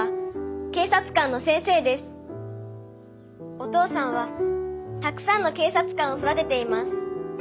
「お父さんはたくさんの警察官を育てています」